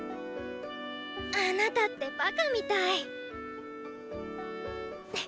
あなたってバカみたい。